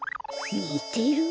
にてる？